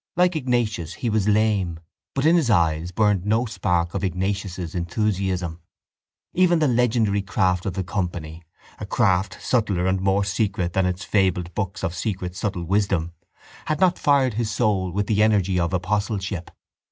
Like Ignatius he was lame but in his eyes burned no spark of Ignatius' enthusiasm. Even the legendary craft of the company, a craft subtler and more secret than its fabled books of secret subtle wisdom, had not fired his soul with the energy of apostleship.